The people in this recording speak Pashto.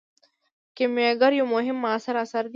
کیمیاګر یو مهم معاصر اثر دی.